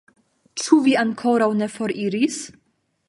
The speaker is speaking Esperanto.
Ĉu vi ankoraŭ ne foriris?